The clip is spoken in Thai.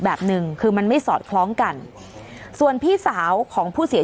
แบบหนึ่งคือมันไม่สอดคล้องกันส่วนพี่สาวของผู้เสีย